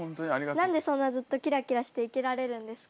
何でそんなずっとキラキラして生きられるんですか？